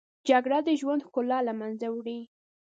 جګړه د ژوند ښکلا له منځه وړي